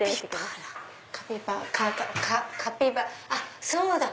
あっそうだ！